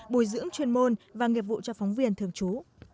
bồi dưỡng chuyên môn và nghiệp vụ cho phóng viên thường trú